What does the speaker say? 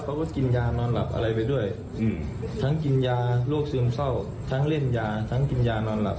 เขาก็กินยานอนหลับอะไรไปด้วยทั้งกินยาโรคซึมเศร้าทั้งเล่นยาทั้งกินยานอนหลับ